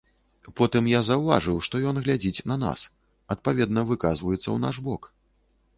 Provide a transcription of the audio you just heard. Потым я заўважыў, што ён глядзіць на нас, адпаведна выказваецца ў наш бок.